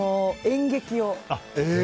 演劇を。